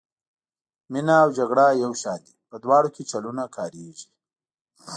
مینه او جګړه یو شان دي په دواړو کې چلونه کاریږي.